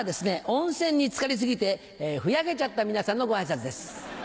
温泉につかり過ぎてふやけちゃった皆さんのご挨拶です。